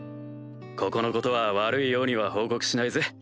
ここのことは悪いようには報告しないぜ。